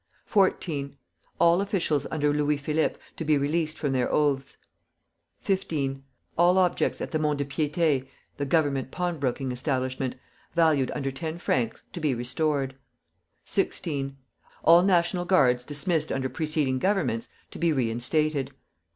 14. All officials under Louis Philippe to be released from their oaths. 15. All objects at the Mont de Piété (the Government pawn broking establishment) valued under ten francs, to be restored. 16. All National Guards dismissed under preceding Governments to be reinstated.